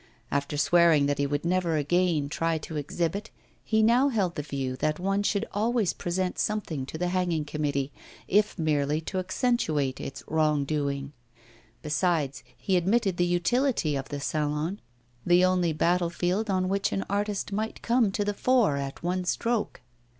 After swearing that he would never again try to exhibit, he now held the view that one should always present something to the hanging committee if merely to accentuate its wrong doing. Besides, he admitted the utility of the Salon, the only battlefield on which an artist might come to the fore at one stroke.